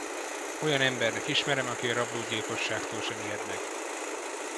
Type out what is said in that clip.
Olyan embernek ismerem, aki a rablógyilkosságtól sem ijed meg.